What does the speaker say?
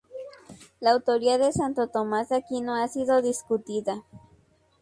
La autoría de santo Tomás de Aquino ha sido discutida.